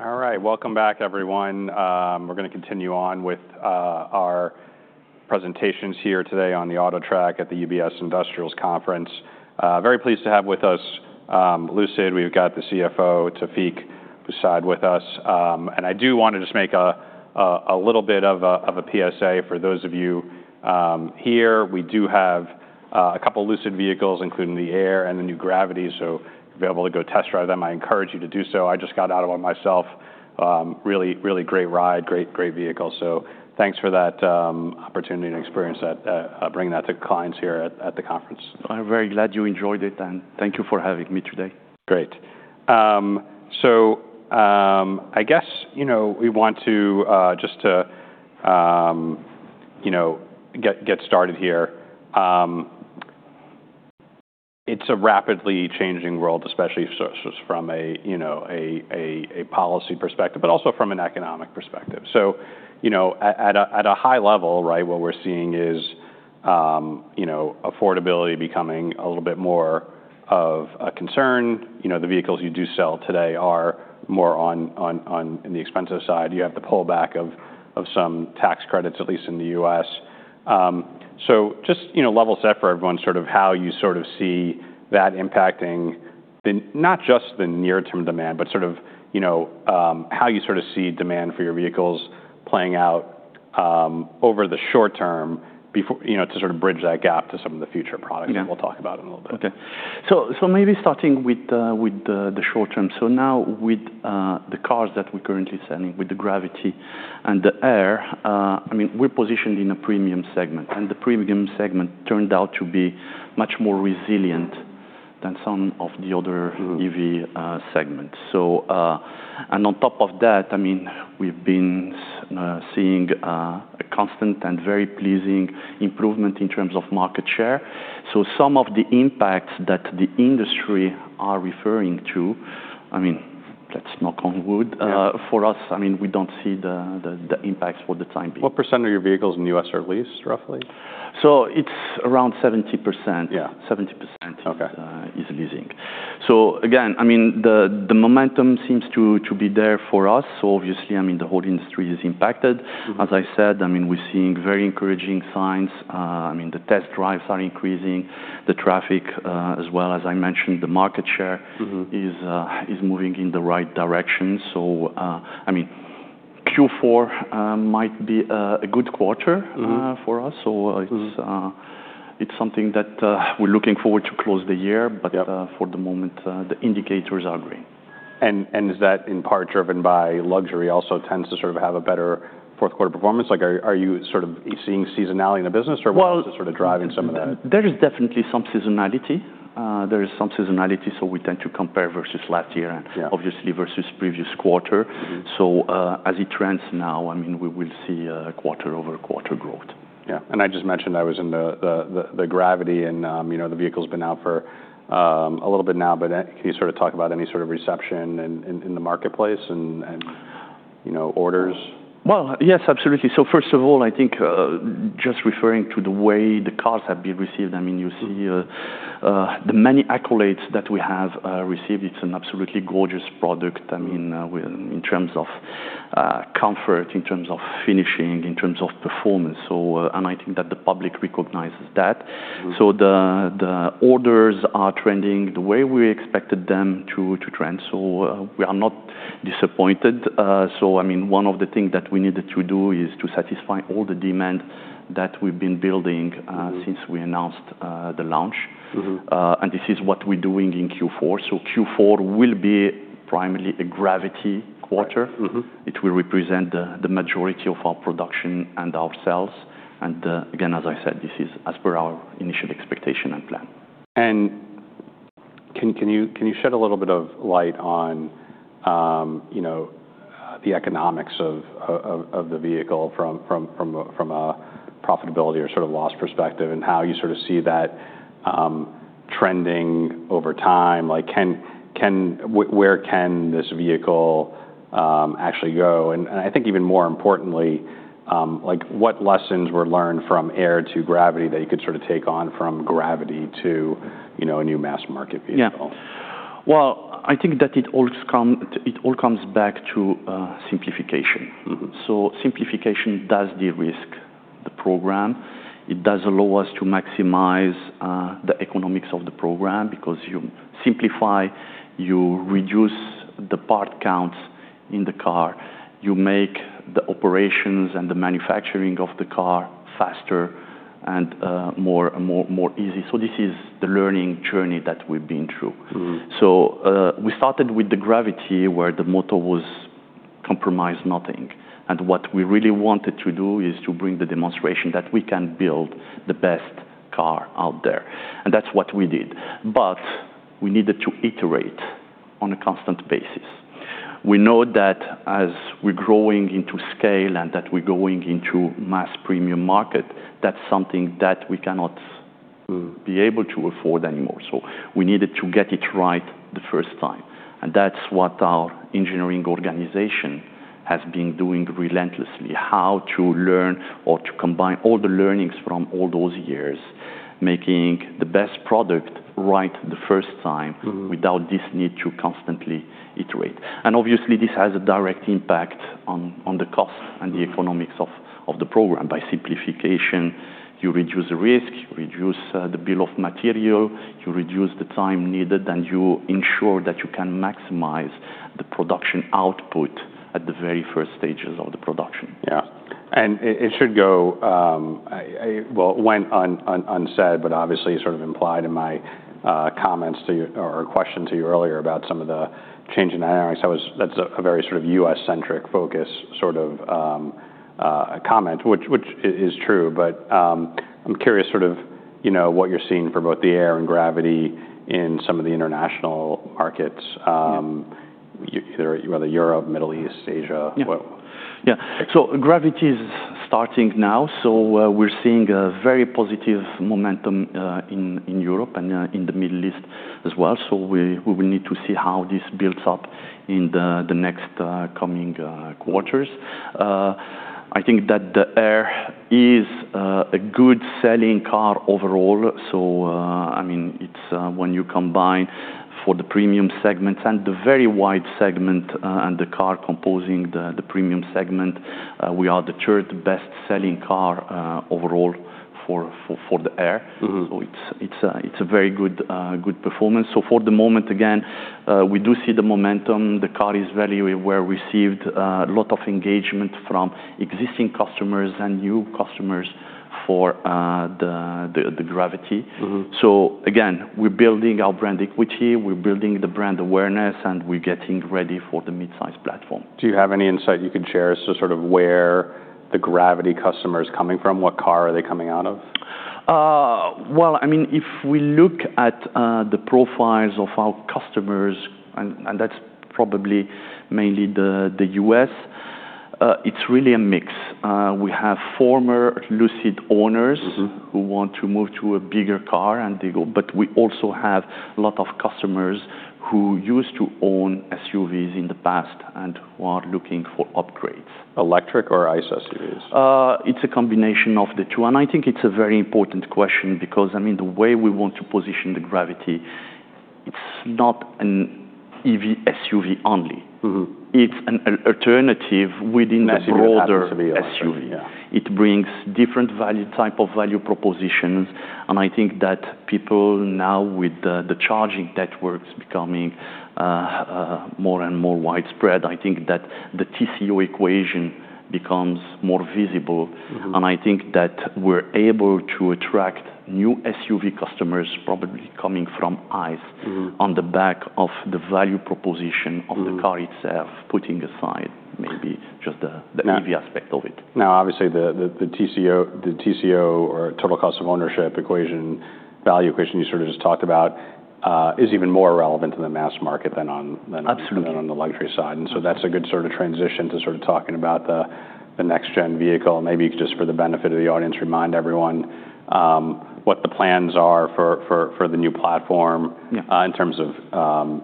All right, welcome back, everyone. We're going to continue on with our presentations here today on the AutoTrack at the UBS Industrials Conference. Very pleased to have with us Lucid. We've got the CFO, Taoufiq Boussaid, with us. And I do want to just make a little bit of a PSA for those of you here. We do have a couple of Lucid vehicles, including the Air and the new Gravity, so if you're able to go test drive them, I encourage you to do so. I just got out of one myself. Really, really great ride, great, great vehicle. So thanks for that opportunity and experience that bringing that to clients here at the conference. I'm very glad you enjoyed it, and thank you for having me today. Great. So, I guess, you know, we want to just to, you know, get started here. It's a rapidly changing world, especially from a, you know, policy perspective, but also from an economic perspective. So, you know, at a high level, right, what we're seeing is, you know, affordability becoming a little bit more of a concern. You know, the vehicles you do sell today are more on the expensive side. You have the pullback of some tax credits, at least in the U.S. So, just, you know, level set for everyone, sort of how you sort of see that impacting, not just the near-term demand, but sort of, you know, how you sort of see demand for your vehicles playing out over the short-term before, you know, to sort of bridge that gap to some of the future products that we'll talk about in a little bit. Okay. So maybe starting with the short term. So now with the cars that we're currently selling, with the Gravity and the Air, I mean, we're positioned in a premium segment, and the premium segment turned out to be much more resilient than some of the other EV segments. So and on top of that, I mean, we've been seeing a constant and very pleasing improvement in terms of market share. So some of the impacts that the industry are referring to, I mean, let's knock on wood, for us, I mean, we don't see the impacts for the time being. What % of your vehicles in the U.S. are leased, roughly? So it's around 70%. Yeah. 70% is leasing. So again, I mean, the momentum seems to be there for us. So obviously, I mean, the whole industry is impacted. As I said, I mean, we're seeing very encouraging signs. I mean, the test drives are increasing, the traffic, as well, as I mentioned, the market share is moving in the right direction. So, I mean, Q4 might be a good quarter for us. So it's something that we're looking forward to close the year, but for the moment, the indicators are green. Is that in part driven by luxury also tends to sort of have a better fourth quarter performance? Like, are you sort of seeing seasonality in the business or what's sort of driving some of that? There is definitely some seasonality, so we tend to compare versus last year and obviously versus previous quarter. As it trends now, I mean, we will see a quarter over quarter growth. Yeah. And I just mentioned I was in the Gravity and, you know, the vehicle's been out for a little bit now, but can you sort of talk about any sort of reception in the marketplace and, you know, orders? Yes, absolutely. First of all, I think, just referring to the way the cars have been received, I mean, you see, the many accolades that we have received. It's an absolutely gorgeous product. I mean, in terms of comfort, in terms of finishing, in terms of performance. I think that the public recognizes that. The orders are trending the way we expected them to trend. We are not disappointed. I mean, one of the things that we needed to do is to satisfy all the demand that we've been building, since we announced the launch. This is what we're doing in Q4. Q4 will be primarily a Gravity quarter. It will represent the majority of our production and our sales. Again, as I said, this is as per our initial expectation and plan. And can you shed a little bit of light on, you know, the economics of the vehicle from a profitability or sort of loss perspective and how you sort of see that trending over time? Like, where can this vehicle actually go? And I think even more importantly, like, what lessons were learned from Air to Gravity that you could sort of take on from Gravity to, you know, a new mass market vehicle? Yeah. Well, I think that it all comes back to simplification. So simplification does de-risk the program. It does allow us to maximize the economics of the program because you simplify, you reduce the part counts in the car, you make the operations and the manufacturing of the car faster and more easy. So this is the learning journey that we've been through. So we started with the Gravity where the motto was compromise nothing. And what we really wanted to do is to bring the demonstration that we can build the best car out there. And that's what we did. But we needed to iterate on a constant basis. We know that as we're growing into scale and that we're going into mass premium market, that's something that we cannot be able to afford anymore. So we needed to get it right the first time. And that's what our engineering organization has been doing relentlessly, how to learn or to combine all the learnings from all those years, making the best product right the first time without this need to constantly iterate. And obviously, this has a direct impact on the cost and the economics of the program. By simplification, you reduce the risk, you reduce the bill of material, you reduce the time needed, and you ensure that you can maximize the production output at the very first stages of the production. Yeah. And it went unsaid, but obviously sort of implied in my comments to you or question to you earlier about some of the change in dynamics. That's a very sort of U.S.-centric focus sort of comment, which is true. But I'm curious sort of, you know, what you're seeing for both the Air and Gravity in some of the international markets, either whether Europe, Middle East, Asia. Yeah. So Gravity is starting now. So, we're seeing a very positive momentum in Europe and in the Middle East as well. So we will need to see how this builds up in the next coming quarters. I think that the Air is a good selling car overall. So, I mean, it's when you combine for the premium segments and the very wide segment, and the car composing the premium segment, we are the third best selling car overall for the Air. So it's a very good performance. So for the moment, again, we do see the momentum. The car is very well received, a lot of engagement from existing customers and new customers for the Gravity. So again, we're building our brand equity, we're building the brand awareness, and we're getting ready for the mid-size platform. Do you have any insight you could share as to sort of where the Gravity customer is coming from? What car are they coming out of? I mean, if we look at the profiles of our customers, and that's probably mainly the U.S., it's really a mix. We have former Lucid owners who want to move to a bigger car, and they go, but we also have a lot of customers who used to own SUVs in the past and who are looking for upgrades. Electric or ICE SUVs? It's a combination of the two. And I think it's a very important question because, I mean, the way we want to position the Gravity, it's not an EV SUV only. It's an alternative within the broader SUV. It brings different value type of value propositions. And I think that people now with the charging networks becoming more and more widespread, I think that the TCO equation becomes more visible. And I think that we're able to attract new SUV customers probably coming from ICE on the back of the value proposition of the car itself, putting aside maybe just the EV aspect of it. Now, obviously, the TCO or total cost of ownership equation, value equation you sort of just talked about, is even more relevant in the mass market than on the luxury side. And so that's a good sort of transition to sort of talking about the next-gen vehicle. And maybe just for the benefit of the audience, remind everyone what the plans are for the new platform, in terms of,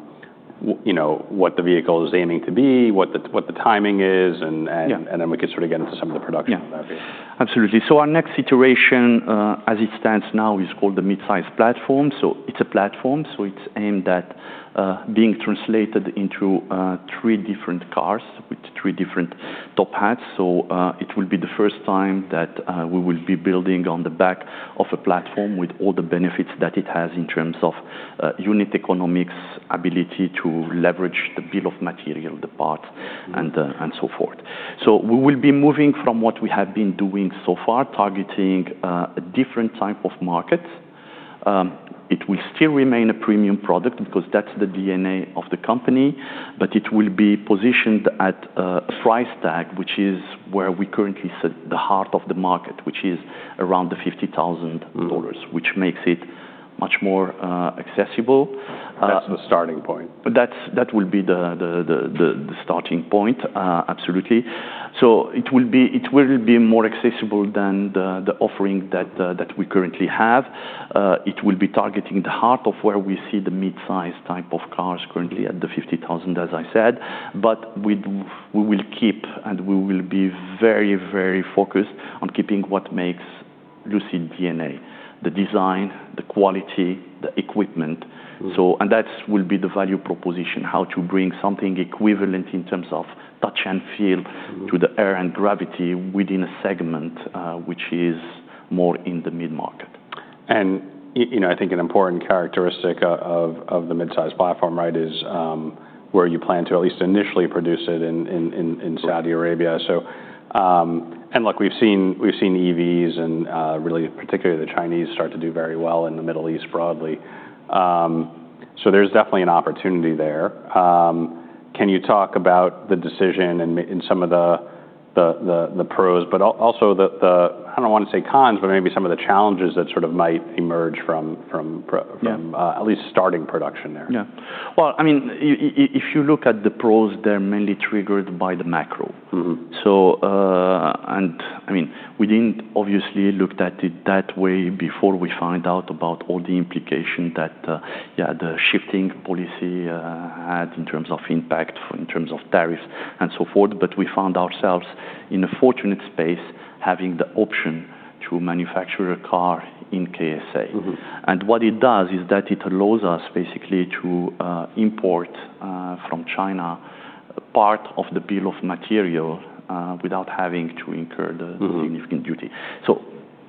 you know, what the vehicle is aiming to be, what the timing is, and then we could sort of get into some of the production of that vehicle. Yeah, absolutely. So our next iteration, as it stands now, is called the Mid-size platform. So it's a platform. So it's aimed at, being translated into, three different cars with three different top hats. So, it will be the first time that, we will be building on the back of a platform with all the benefits that it has in terms of, unit economics, ability to leverage the bill of material, the parts, and so forth. So we will be moving from what we have been doing so far, targeting, a different type of market. It will still remain a premium product because that's the DNA of the company, but it will be positioned at, a price tag, which is where we currently sit the heart of the market, which is around the $50,000, which makes it much more, accessible. That's the starting point. But that's, that will be the starting point. Absolutely. So it will be more accessible than the offering that we currently have. It will be targeting the heart of where we see the mid-size type of cars currently at the $50,000, as I said. But we will keep, and we will be very, very focused on keeping what makes Lucid DNA, the design, the quality, the equipment. So, and that will be the value proposition, how to bring something equivalent in terms of touch and feel to the Air and Gravity within a segment, which is more in the mid-market. And, you know, I think an important characteristic of the Mid-size platform, right, is where you plan to at least initially produce it in Saudi Arabia. So, and look, we've seen EVs and really particularly the Chinese start to do very well in the Middle East broadly. So there's definitely an opportunity there. Can you talk about the decision and in some of the pros, but also I don't want to say cons, but maybe some of the challenges that sort of might emerge from at least starting production there? Yeah. Well, I mean, if you look at the pros, they're mainly triggered by the macro. So and I mean, we didn't obviously look at it that way before we found out about all the implications that yeah, the shifting policy had in terms of impact, in terms of tariffs and so forth. But we found ourselves in a fortunate space having the option to manufacture a car in KSA. And what it does is that it allows us basically to import from China part of the bill of material without having to incur the significant duty. So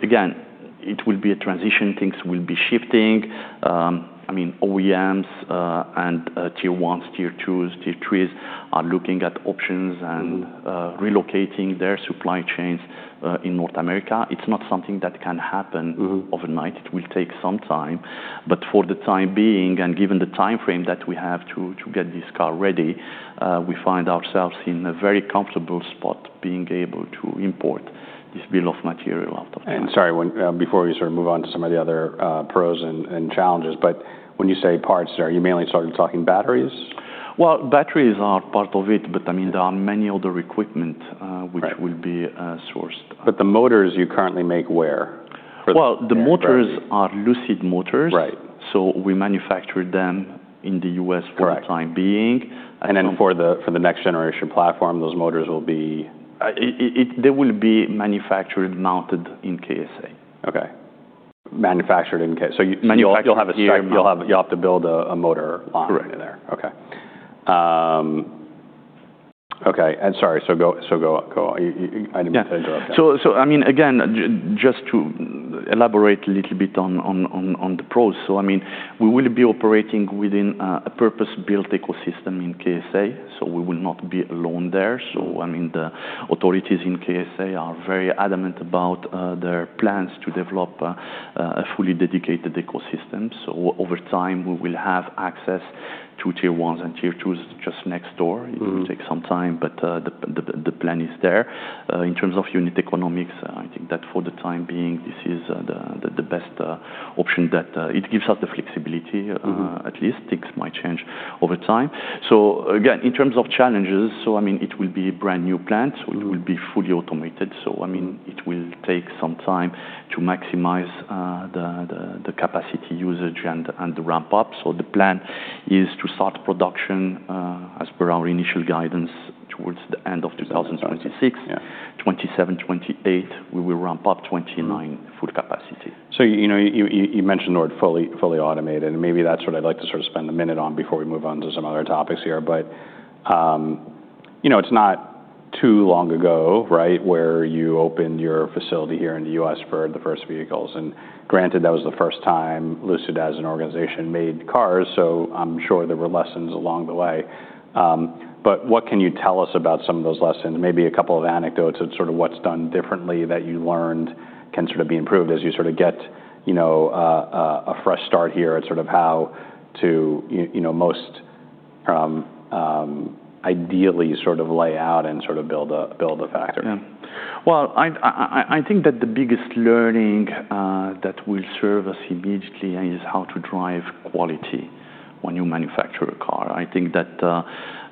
again, it will be a transition. Things will be shifting. I mean, OEMs and Tier 1s, Tier 2s, Tier 3s are looking at options and relocating their supply chains in North America. It's not something that can happen overnight. It will take some time. But for the time being and given the timeframe that we have to get this car ready, we find ourselves in a very comfortable spot being able to import this bill of material out of. Sorry, when, before we sort of move on to some of the other pros and challenges, but when you say parts, are you mainly sort of talking batteries? Batteries are part of it, but I mean, there are many other equipment, which will be sourced. But the motors you currently make where? The motors are Lucid Motors. We manufacture them in the U.S. for the time being. For the next generation platform, those motors will be. They will be manufactured, mounted in KSA. Okay. Manufactured in KSA. So you'll have to build a motor line there. Okay. And sorry. So go. I didn't mean to interrupt. So I mean, again, just to elaborate a little bit on the pros. So I mean, we will be operating within a purpose-built ecosystem in KSA. So we will not be alone there. So I mean, the authorities in KSA are very adamant about their plans to develop a fully dedicated ecosystem. So over time, we will have access to Tier 1s and Tier 2s just next door. It will take some time, but the plan is there. In terms of unit economics, I think that for the time being, this is the best option that it gives us the flexibility, at least things might change over time. So again, in terms of challenges, so I mean, it will be a brand new plant. It will be fully automated. So I mean, it will take some time to maximize the capacity usage and the ramp up. So the plan is to start production, as per our initial guidance towards the end of 2026, 2027, 2028. We will ramp up 2029 full capacity. So, you know, you mentioned the word fully automated, and maybe that's what I'd like to sort of spend a minute on before we move on to some other topics here. But, you know, it's not too long ago, right, where you opened your facility here in the U.S. for the first vehicles. And granted, that was the first time Lucid as an organization made cars. So I'm sure there were lessons along the way. But what can you tell us about some of those lessons, maybe a couple of anecdotes of sort of what's done differently that you learned can sort of be improved as you sort of get, you know, a fresh start here at sort of how to, you know, most, ideally sort of lay out and sort of build a factory. Yeah. Well, I think that the biggest learning that will serve us immediately is how to drive quality when you manufacture a car. I think that,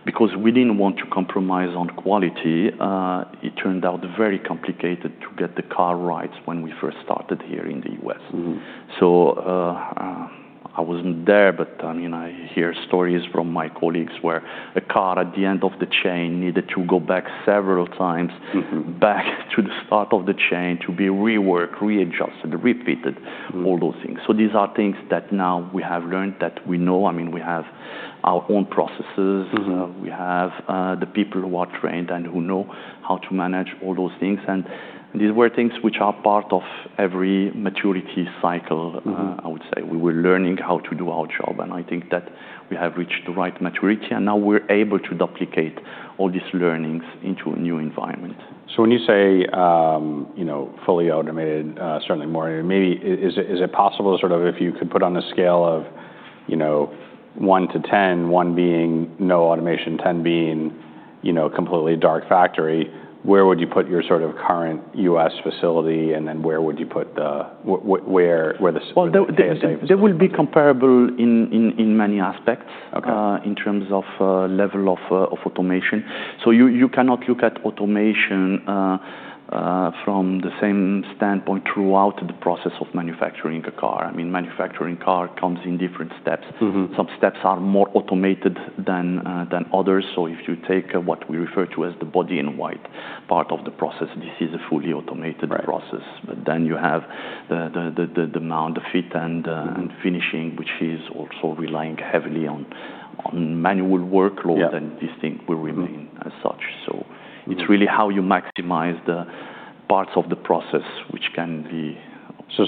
because we didn't want to compromise on quality, it turned out very complicated to get the car right when we first started here in the U.S. So, I wasn't there, but I mean, I hear stories from my colleagues where a car at the end of the chain needed to go back several times back to the start of the chain to be reworked, readjusted, repeated, all those things. So these are things that now we have learned that we know. I mean, we have our own processes. We have the people who are trained and who know how to manage all those things. And these were things which are part of every maturity cycle, I would say. We were learning how to do our job. And I think that we have reached the right maturity. And now we're able to duplicate all these learnings into a new environment. So when you say, you know, fully automated, certainly more maybe, is it possible to sort of, if you could put on a scale of, you know, one to 10, one being no automation, 10 being, you know, completely dark factory, where would you put your sort of current U.S. facility? And then where would you put the where the. There will be comparable in many aspects, in terms of level of automation. So you cannot look at automation from the same standpoint throughout the process of manufacturing a car. I mean, manufacturing a car comes in different steps. Some steps are more automated than others. So if you take what we refer to as the body in white part of the process, this is a fully automated process. But then you have the mount, the fit, and finishing, which is also relying heavily on manual workload, and this thing will remain as such. So it's really how you maximize the parts of the process, which can be. So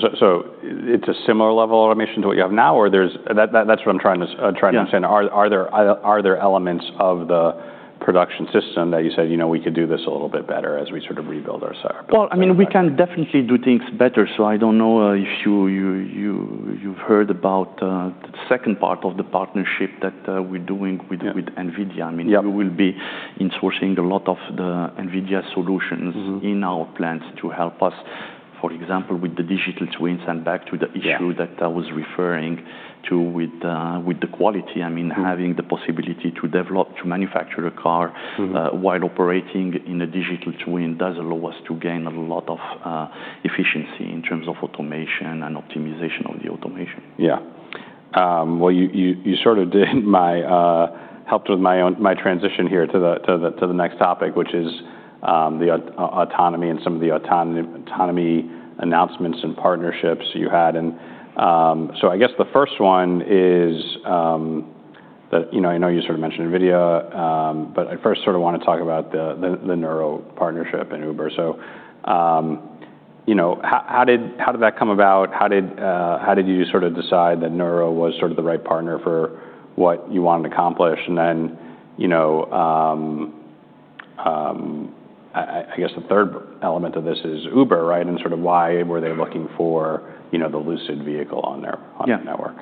it's a similar level of automation to what you have now, or that's what I'm trying to understand. Are there elements of the production system that you said, you know, we could do this a little bit better as we sort of rebuild ourselves? I mean, we can definitely do things better. I don't know if you you've heard about the second part of the partnership that we're doing with NVIDIA. I mean, we will be insourcing a lot of the NVIDIA solutions in our plants to help us, for example, with the digital twins and back to the issue that I was referring to with the quality. I mean, having the possibility to develop, to manufacture a car, while operating in a digital twin does allow us to gain a lot of efficiency in terms of automation and optimization of the automation. Yeah. Well, you sort of helped with my own transition here to the next topic, which is the autonomy and some of the autonomy announcements and partnerships you had. And so I guess the first one is that, you know, I know you sort of mentioned NVIDIA, but I first sort of want to talk about the Nuro partnership and Uber. So you know, how did that come about? How did you sort of decide that Nuro was sort of the right partner for what you wanted to accomplish? And then you know, I guess the third element of this is Uber, right? And sort of why were they looking for you know, the Lucid vehicle on their network?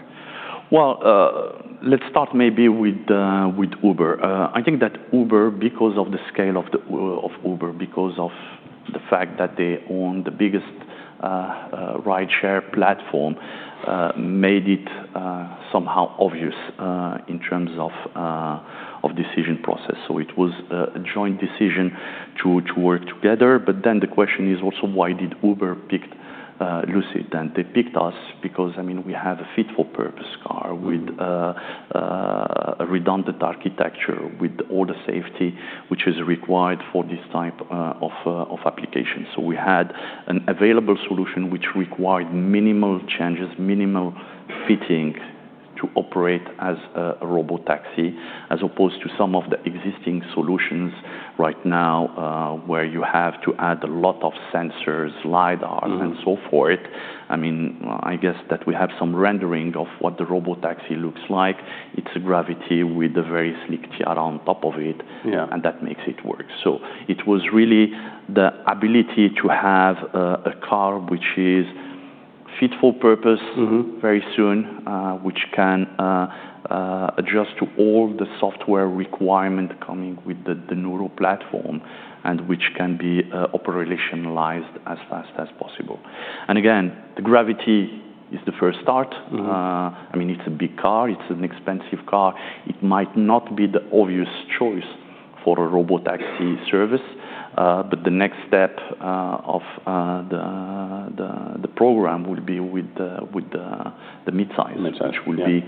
Let's start maybe with Uber. I think that Uber, because of the scale of Uber, because of the fact that they own the biggest rideshare platform, made it somehow obvious in terms of decision process. It was a joint decision to work together. But then the question is also, why did Uber pick Lucid? And they picked us because, I mean, we have a fit for purpose car with a redundant architecture with all the safety which is required for this type of application. So we had an available solution which required minimal changes, minimal fitting to operate as a robotaxi, as opposed to some of the existing solutions right now, where you have to add a lot of sensors, LIDARs, and so forth. I mean, I guess that we have some rendering of what the robotaxi looks like. It's a Gravity with a very sleek top hat on top of it, and that makes it work. So it was really the ability to have a car which is fit for purpose very soon, which can adjust to all the software requirement coming with the Nuro platform and which can be operationalized as fast as possible. And again, the Gravity is the first start. I mean, it's a big car. It's an expensive car. It might not be the obvious choice for a robotaxi service, but the next step of the program will be with the mid-size, which will be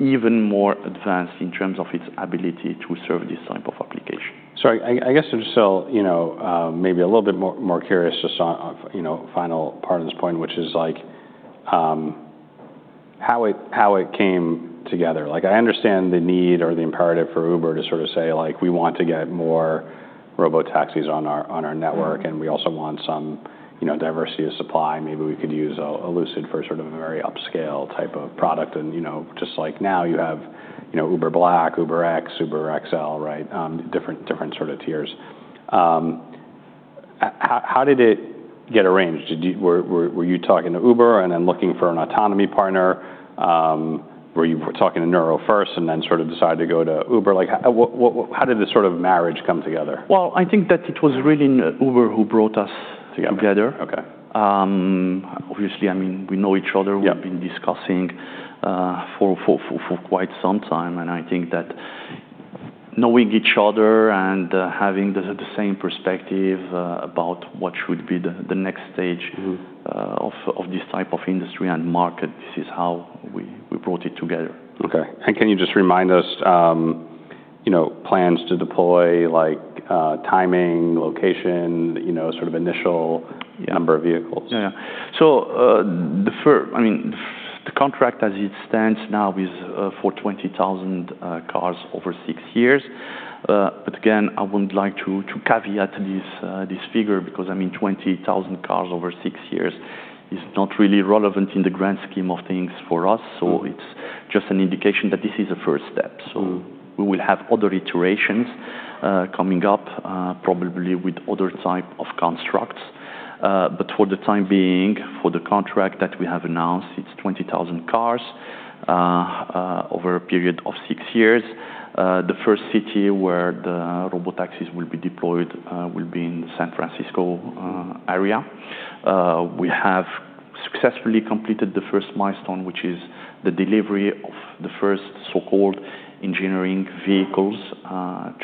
even more advanced in terms of its ability to serve this type of application. Sorry, I guess I'm still, you know, maybe a little bit more curious just on, you know, final part of this point, which is like, how it came together. Like I understand the need or the imperative for Uber to sort of say, like, we want to get more robotaxis on our network, and we also want some, you know, diversity of supply. Maybe we could use a Lucid for sort of a very upscale type of product. And, you know, just like now you have, you know, Uber Black, Uber X, Uber XL, right? Different sort of tiers. How did it get arranged? Were you talking to Uber and then looking for an autonomy partner? Were you talking to Nuro first and then sort of decided to go to Uber? Like what, how did this sort of marriage come together? I think that it was really Uber who brought us together. Obviously, I mean, we know each other. We've been discussing for quite some time. I think that knowing each other and having the same perspective about what should be the next stage of this type of industry and market, this is how we brought it together. Okay. And can you just remind us, you know, plans to deploy, like, timing, location, you know, sort of initial number of vehicles? Yeah. So the contract as it stands now is for 20,000 cars over six years, but again I wouldn't like to caveat this figure because I mean 20,000 cars over six years is not really relevant in the grand scheme of things for us. It's just an indication that this is a first step. We will have other iterations coming up probably with other type of constructs, but for the time being for the contract that we have announced it's 20,000 cars over a period of six years. The first city where the robotaxis will be deployed will be in the San Francisco area. We have successfully completed the first milestone which is the delivery of the first so-called engineering vehicles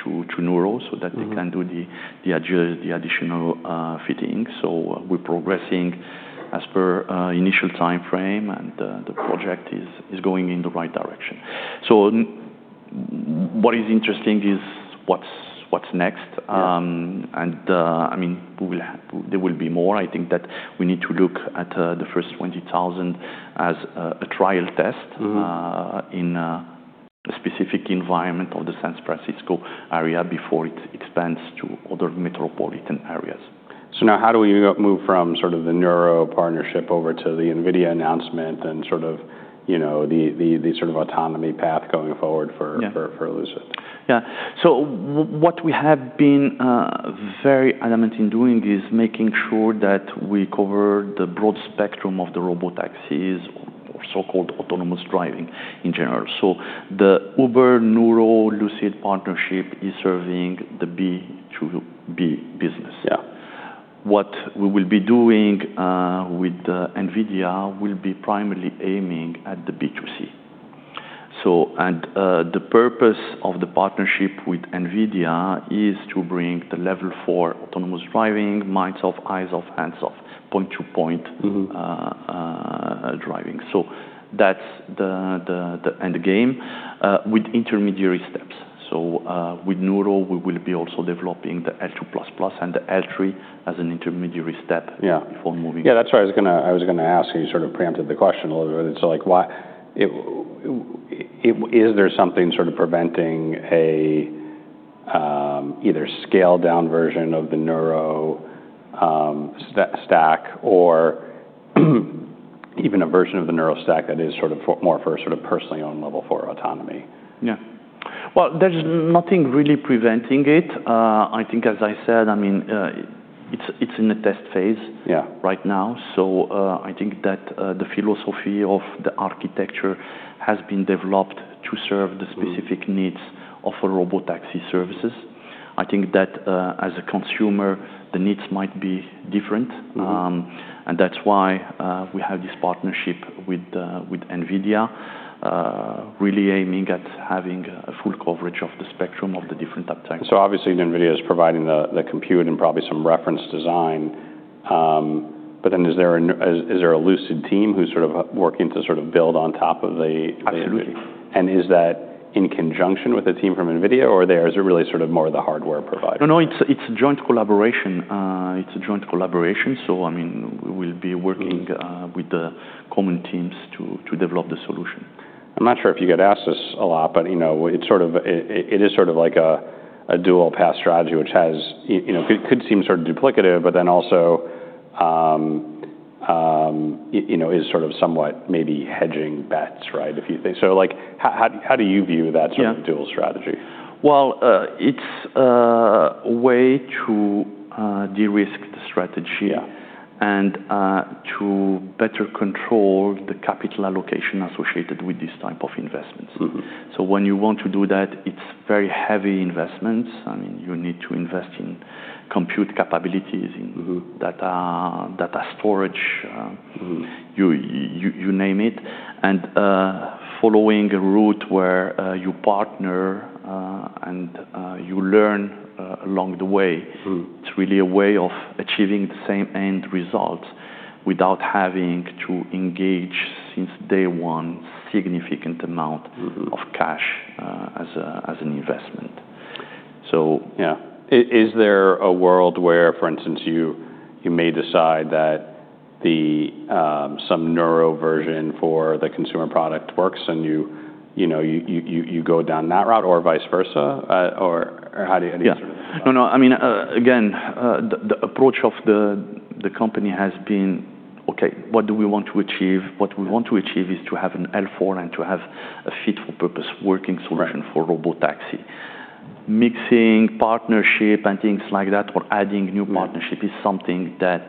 to Nuro so that they can do the additional fittings. So we're progressing as per initial timeframe, and the project is going in the right direction. So what is interesting is what's next. And I mean, we will. There will be more. I think that we need to look at the first 20,000 as a trial test in a specific environment of the San Francisco area before it expands to other metropolitan areas. So now how do we move from sort of the Nuro partnership over to the NVIDIA announcement and sort of, you know, the sort of autonomy path going forward for Lucid? Yeah. So what we have been, very adamant in doing is making sure that we cover the broad spectrum of the robotaxis or so-called autonomous driving in general. So the Uber, Nuro, Lucid partnership is serving the B2B business. Yeah. What we will be doing with NVIDIA will be primarily aiming at the B2C. The purpose of the partnership with NVIDIA is to bring level four autonomous driving, minds off, eyes off, hands off, point-to-point driving. That's the end game, with intermediary steps. With Nuro, we will also be developing the L2++ and the L3 as an intermediary step before moving. Yeah. That's what I was going to ask you. You sort of preempted the question a little bit. It's like why is there something sort of preventing a either scaled down version of the Nuro stack or even a version of the Nuro stack that is sort of more for sort of personally owned level four autonomy? Yeah. Well, there's nothing really preventing it. I think, as I said, I mean, it's in a test phase right now. So, I think that the philosophy of the architecture has been developed to serve the specific needs of robotaxi services. I think that, as a consumer, the needs might be different. And that's why we have this partnership with NVIDIA, really aiming at having a full coverage of the spectrum of the different types. So obviously NVIDIA is providing the compute and probably some reference design. But then is there a Lucid team who's sort of working to sort of build on top of the? Absolutely. Is that in conjunction with a team from NVIDIA or is it really sort of more of the hardware provider? No, it's a joint collaboration. So, I mean, we will be working with the common teams to develop the solution. I'm not sure if you get asked this a lot, but, you know, it's sort of like a dual path strategy, which, you know, could seem sort of duplicative, but then also, you know, is sort of somewhat maybe hedging bets, right? If you think, so like, how do you view that sort of dual strategy? It's a way to de-risk the strategy and to better control the capital allocation associated with this type of investments. So when you want to do that, it's very heavy investments. I mean, you need to invest in compute capabilities, in data, data storage, you name it. Following a route where you partner and you learn along the way, it's really a way of achieving the same end result without having to engage since day one a significant amount of cash as an investment. So. Yeah. Is there a world where, for instance, you may decide that some Nuro version for the consumer product works and you know you go down that route or vice versa? Or how do you sort of? Yeah. No, no. I mean, again, the approach of the company has been, okay, what do we want to achieve? What we want to achieve is to have an L4 and to have a fit for purpose working solution for robotaxi. Mixing partnership and things like that or adding new partnership is something that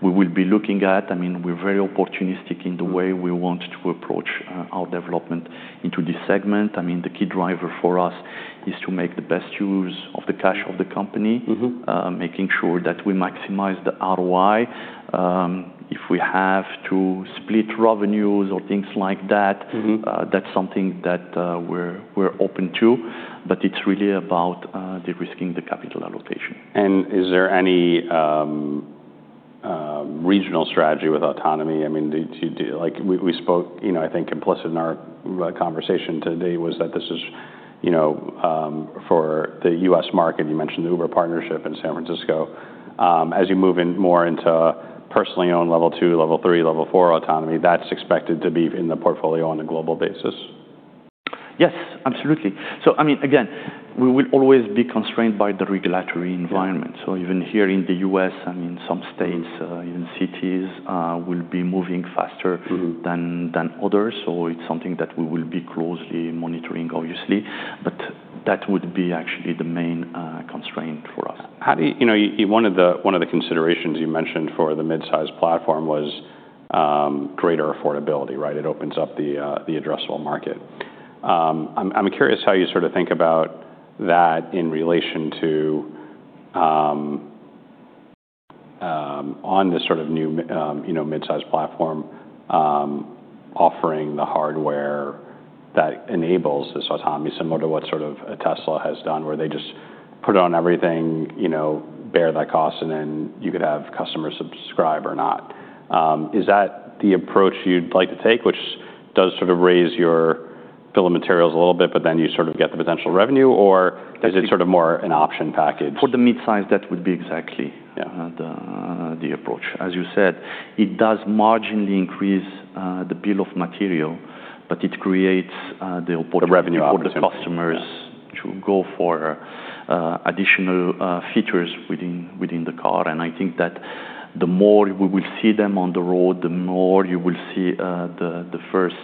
we will be looking at. I mean, we're very opportunistic in the way we want to approach our development into this segment. I mean, the key driver for us is to make the best use of the cash of the company, making sure that we maximize the ROI. If we have to split revenues or things like that, that's something that we're open to, but it's really about de-risking the capital allocation. Is there any regional strategy with autonomy? I mean, do you like we spoke, you know, I think implicit in our conversation today was that this is, you know, for the U.S. market. You mentioned the Uber partnership in San Francisco. As you move in more into personally owned level two, level three, level four autonomy, that's expected to be in the portfolio on a global basis? Yes, absolutely. So, I mean, again, we will always be constrained by the regulatory environment. So even here in the U.S., I mean, some states, even cities, will be moving faster than others. So it's something that we will be closely monitoring, obviously, but that would be actually the main constraint for us. How do you, you know, one of the considerations you mentioned for the mid-size platform was greater affordability, right? It opens up the addressable market. I'm curious how you sort of think about that in relation to, on this sort of new, you know, mid-size platform, offering the hardware that enables this autonomy similar to what sort of a Tesla has done where they just put it on everything, you know, bear that cost, and then you could have customers subscribe or not. Is that the approach you'd like to take, which does sort of raise your bill of materials a little bit, but then you sort of get the potential revenue or is it sort of more an option package? For the mid-size, that would be exactly the approach. As you said, it does marginally increase the bill of material, but it creates the opportunity for the customers to go for additional features within the car. And I think that the more we will see them on the road, the more you will see the first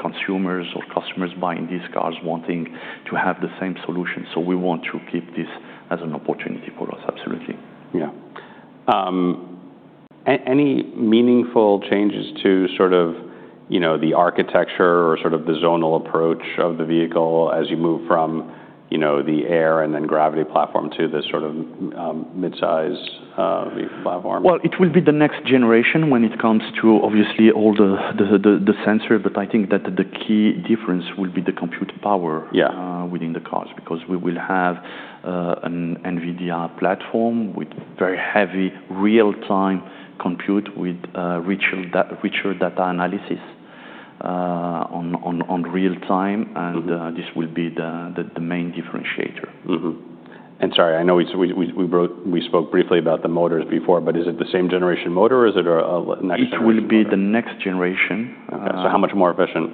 consumers or customers buying these cars wanting to have the same solution. So we want to keep this as an opportunity for us. Absolutely. Yeah, any meaningful changes to sort of, you know, the architecture or sort of the zonal approach of the vehicle as you move from, you know, the Air and then Gravity platform to this sort of mid-size vehicle platform? It will be the next generation when it comes to obviously all the sensors, but I think that the key difference will be the compute power within the cars because we will have an NVIDIA platform with very heavy real-time compute with richer data analysis on real time. This will be the main differentiator. Sorry, I know we spoke briefly about the motors before, but is it the same generation motor or is it a next generation? It will be the next generation. How much more efficient?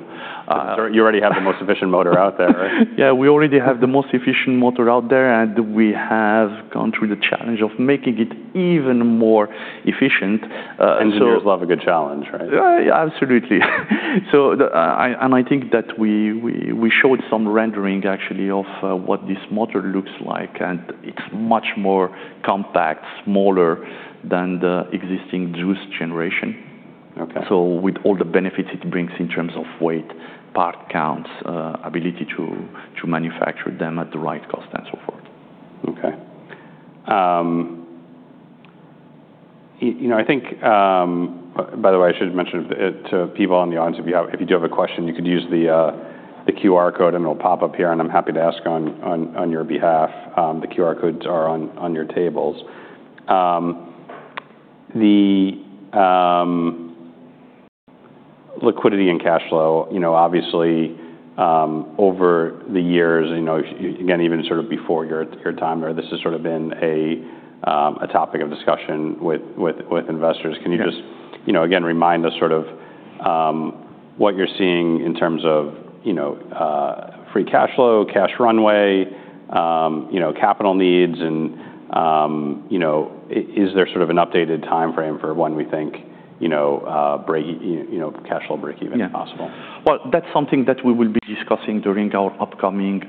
You already have the most efficient motor out there, right? Yeah, we already have the most efficient motor out there, and we have gone through the challenge of making it even more efficient. Nuro's love a good challenge, right? Absolutely. So, I think that we showed some rendering actually of what this motor looks like, and it's much more compact, smaller than the existing Juice generation. Okay. So with all the benefits it brings in terms of weight, part counts, ability to manufacture them at the right cost and so forth. Okay. You know, I think, by the way, I should mention it to people in the audience. If you have, if you do have a question, you could use the QR code and it'll pop up here, and I'm happy to ask on your behalf. The QR codes are on your tables. The liquidity and cash flow, you know, obviously, over the years, you know, again, even sort of before your time there, this has sort of been a topic of discussion with investors. Can you just, you know, again, remind us sort of, what you're seeing in terms of, you know, free cash flow, cash runway, you know, capital needs and, you know, is there sort of an updated timeframe for when we think, you know, break, you know, cash flow break even possible? Yeah. Well, that's something that we will be discussing during our upcoming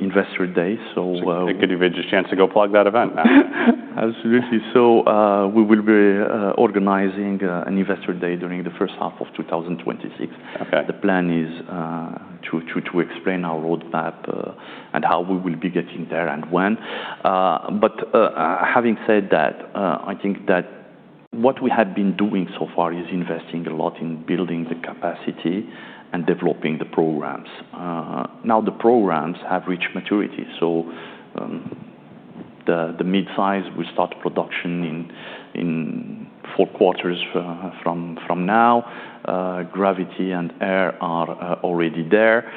investor day. So, It gives you a chance to go plug that event. Absolutely. So, we will be organizing an investor day during the first half of 2026. Okay. The plan is to explain our roadmap, and how we will be getting there and when. But having said that, I think that what we have been doing so far is investing a lot in building the capacity and developing the programs. Now the programs have reached maturity. So the mid-size will start production in four quarters from now. Gravity and Air are already there.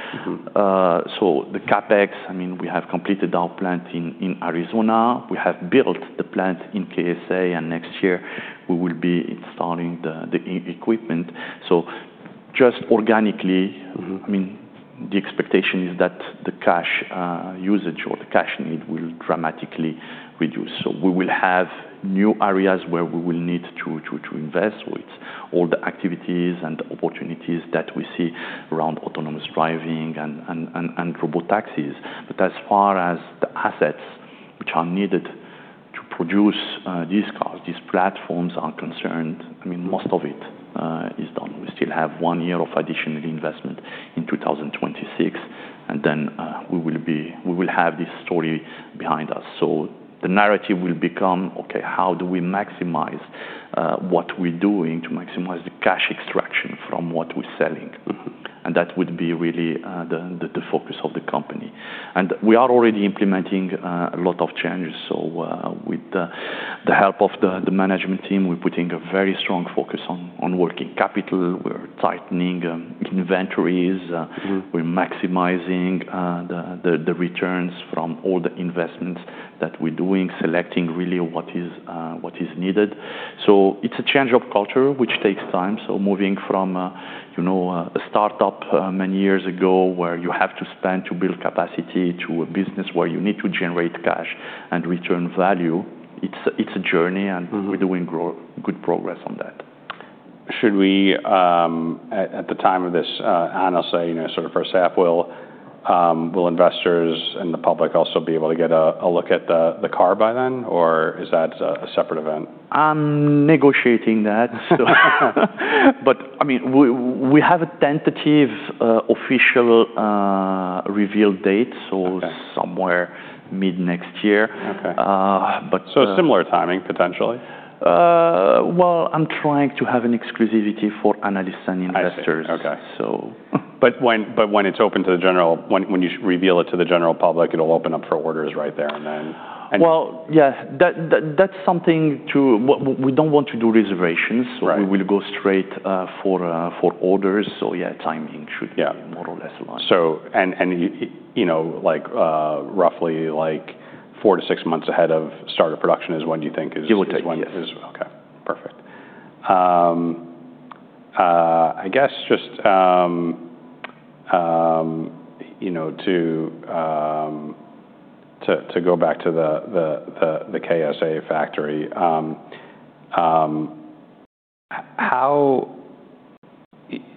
So the CapEx, I mean, we have completed our plant in Arizona. We have built the plant in KSA, and next year we will be installing the equipment. So just organically, I mean, the expectation is that the cash usage or the cash need will dramatically reduce. So we will have new areas where we will need to invest. So it's all the activities and opportunities that we see around autonomous driving and robotaxis. But as far as the assets which are needed to produce these cars, these platforms are concerned, I mean, most of it is done. We still have one year of additional investment in 2026, and then we will have this story behind us. So the narrative will become, okay, how do we maximize what we're doing to maximize the cash extraction from what we're selling? And that would be really the focus of the company. And we are already implementing a lot of changes. So with the help of the management team, we're putting a very strong focus on working capital. We're tightening inventories. We're maximizing the returns from all the investments that we're doing, selecting really what is needed. It's a change of culture, which takes time. Moving from, you know, a startup many years ago where you have to spend to build capacity to a business where you need to generate cash and return value, it's a journey and we're doing good progress on that. Should we, at the time of this announcing, you know, sort of first half, will investors and the public also be able to get a look at the car by then or is that a separate event? I'm negotiating that. So, but I mean, we have a tentative, official, reveal date. So somewhere mid next year. Okay. but. So similar timing potentially? I'm trying to have an exclusivity for analysts and investors. Okay. So. But when it's open to the general, when you reveal it to the general public, it'll open up for orders right there and then. Yeah, that's something we don't want to do, reservations. Right. We will go straight for orders. So yeah, timing should be more or less aligned. You know, like, roughly four to six months ahead of start of production is when you think is. It will take, yes. Okay. Perfect. I guess just, you know, to go back to the KSA factory. How,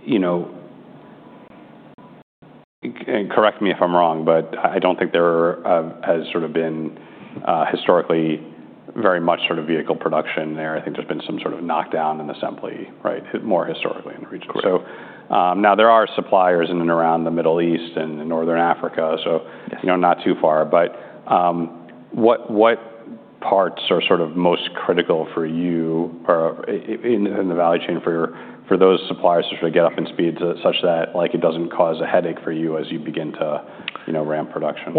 you know, and correct me if I'm wrong, but I don't think there have sort of been, historically very much sort of vehicle production there. I think there's been some sort of knockdown in assembly, right? More historically in the region. So, now there are suppliers in and around the Middle East and in Northern Africa. So, you know, not too far, but, what parts are sort of most critical for you or in the value chain for those suppliers to sort of get up to speed such that, like, it doesn't cause a headache for you as you begin to, you know, ramp production?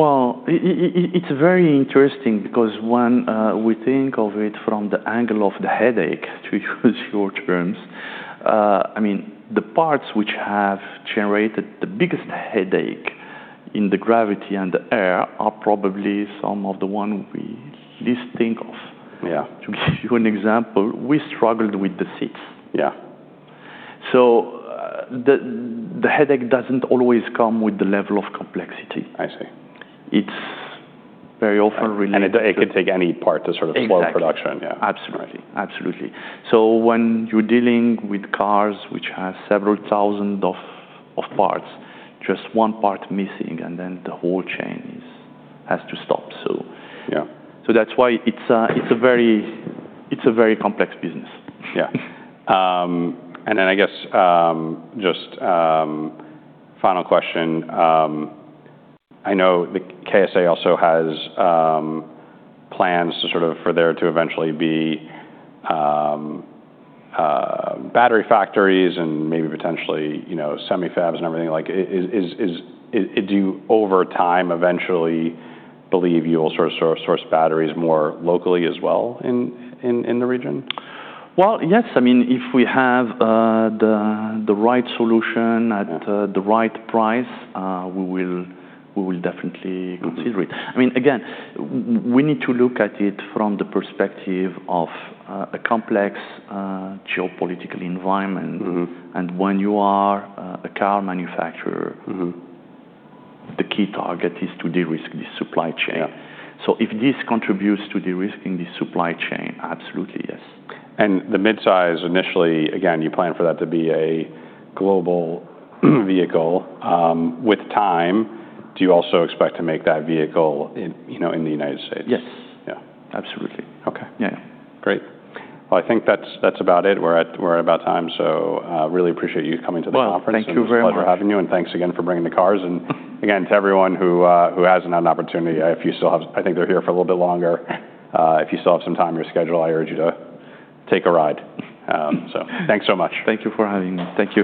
It's very interesting because when we think of it from the angle of the headache, to use your terms, I mean, the parts which have generated the biggest headache in the Gravity and the Air are probably some of the one we least think of. Yeah. To give you an example, we struggled with the seats. Yeah. The headache doesn't always come with the level of complexity. I see. It's very often really. It could take any part to sort of slow production. Absolutely. Absolutely. So when you're dealing with cars which have several thousand of parts, just one part missing and then the whole chain has to stop. So that's why it's a very complex business. Yeah. And then I guess, just, final question. I know the KSA also has plans to sort of for there to eventually be battery factories and maybe potentially, you know, semi-fabs and everything like it is. Do you over time eventually believe you will sort of source batteries more locally as well in the region? Yes. I mean, if we have the right solution at the right price, we will definitely consider it. I mean, again, we need to look at it from the perspective of a complex geopolitical environment, and when you are a car manufacturer, the key target is to de-risk the supply chain, so if this contributes to de-risking the supply chain, absolutely, yes. And the mid-size initially, again, you plan for that to be a global vehicle. With time, do you also expect to make that vehicle in, you know, in the United States? Yes. Yeah. Absolutely. Okay. Yeah. Great. Well, I think that's about it. We're at about time. So, really appreciate you coming to the conference. Thank you very much. It's a pleasure having you and thanks again for bringing the cars and again to everyone who hasn't had an opportunity, I think they're here for a little bit longer. If you still have some time in your schedule, I urge you to take a ride, so thanks so much. Thank you for having me. Thank you.